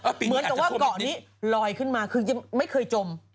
เหมือนกับว่าเกาะนี้ลอยขึ้นมาคือไม่เคยจม